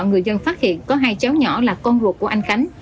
người dân phát hiện có hai cháu nhỏ là con ruột của anh khánh